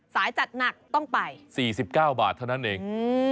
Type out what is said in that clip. จัดหนักต้องไป๔๙บาทเท่านั้นเอง